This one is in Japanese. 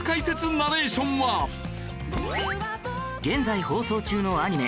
現在放送中のアニメ